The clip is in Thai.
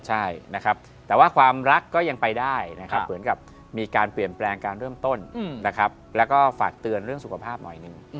ใช่นะครับแต่ว่าความรักก็ยังไปได้นะครับเหมือนกับมีการเปลี่ยนแปลงการเริ่มต้นนะครับแล้วก็ฝากเตือนเรื่องสุขภาพหน่อยหนึ่ง